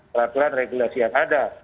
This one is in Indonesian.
peraturan regulasi yang ada